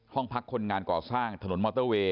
ห้องพักคนงานก่อสร้างถนนมอเตอร์เวย